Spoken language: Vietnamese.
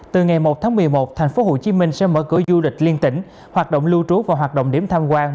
từ ngày một tháng một mươi một thành phố hồ chí minh sẽ mở cửa du lịch liên tỉnh hoạt động lưu trú và hoạt động điểm tham quan